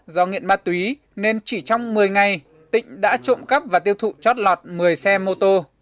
do nghiện ma túy nên chỉ trong một mươi ngày tỉnh đã trộm cắp và tiêu thụ chót lọt một mươi xe mô tô